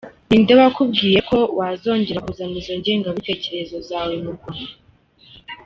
Ninde wakubwiye ko wazongera kuzana izo ngengabitekerezo zawe mu Rwanda se ?"